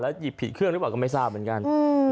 หยิบผิดเครื่องหรือเปล่าก็ไม่ทราบเหมือนกัน